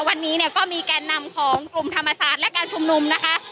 วันนี้เนี่ยก็มีแก่นนำของกลุ่มธรรมศาสตร์และการชุมนุมนะคะ